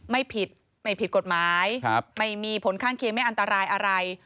ไม่ผิดไม่ผิดกฎหมายไม่มีผลข้างเคียงไม่อันตรายอะไร